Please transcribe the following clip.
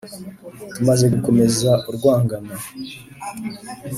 tumaze gukomeza urwangano,